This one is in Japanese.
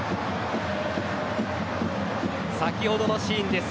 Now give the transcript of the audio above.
先ほどのシーンです